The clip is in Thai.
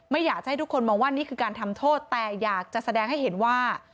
ไม่อยากจะให้ทุกคนมองว่านี่คือการทำโทษแต่อยากจะแสดงให้เห็นว่า